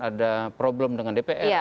ada problem dengan dpr